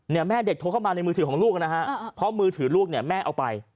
แม่เด็กโทรเข้ามาในมือถือของลูกนะฮะเพราะมือถือลูกเนี่ยแม่เอาไป